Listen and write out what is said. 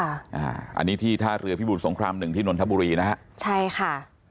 อันนี้ที่ท่าเรือพิบูรสงครามหนึ่งที่นนทบุรีนะฮะใช่ค่ะ